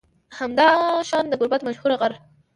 همداشان د گربت مشهور غر